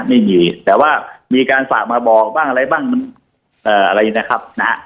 ไม่มีแต่ว่ามีการฝากมาบอกบ้างอะไรบ้างมันอะไรนะครับนะฮะ